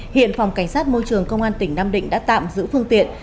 hiện phòng cảnh sát môi trường công an tỉnh nam định đã tạm giữ phương tiện